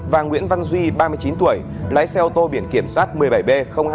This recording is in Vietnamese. và nguyễn văn duy ba mươi chín tuổi lái xe ô tô biển kiểm soát một mươi bảy b hai nghìn hai trăm một mươi sáu